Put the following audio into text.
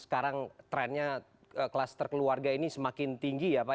sekarang trendnya kelas terkeluarga ini semakin tinggi ya pak